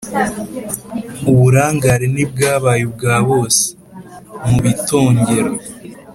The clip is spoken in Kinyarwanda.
uburangare ntibwabaye ubwa bose. mu bitongero